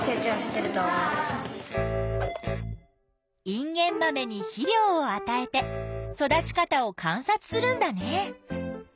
インゲンマメに肥料を与えて育ち方を観察するんだね。